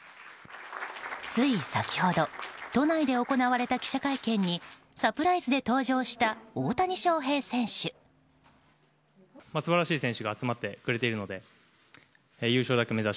つい先ほど都内で行われた記者会見にサプライズで登場した大谷翔平選手。